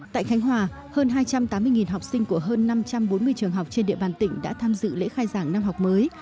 tại khánh hòa hơn hai trăm tám mươi học sinh của hơn năm trăm bốn mươi trường học trên địa bàn tỉnh đã tham dự lễ khai giảng năm học mới